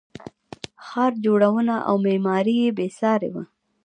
ښار جوړونه او معمارۍ بې ساري وه